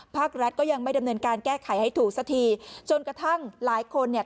ภาครัฐก็ยังไม่ดำเนินการแก้ไขให้ถูกสักทีจนกระทั่งหลายคนเนี่ย